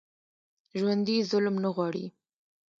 ژوندي ظلم نه غواړي